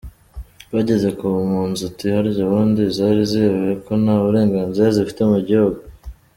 – Bageze ku mpunzi uti “harya ubundi zari ziyobewe ko nta burenganzira zifite mu gihugu !”